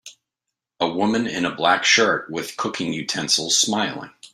A woman in a black shirt with cooking utensils smiling.